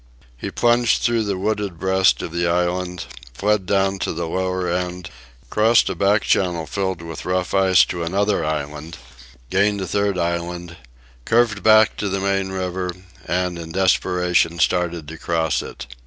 He plunged through the wooded breast of the island, flew down to the lower end, crossed a back channel filled with rough ice to another island, gained a third island, curved back to the main river, and in desperation started to cross it.